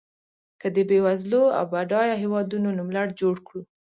که د بېوزلو او بډایو هېوادونو نوملړ جوړ کړو.